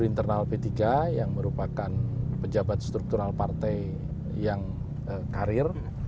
internal p tiga yang merupakan pejabat struktural partai yang karir